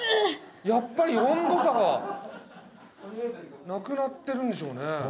やっぱり温度差がなくなってるんでしょうね。